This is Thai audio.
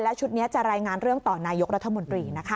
ชุดนี้จะรายงานเรื่องต่อนายกรัฐมนตรีนะคะ